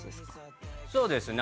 そうですね。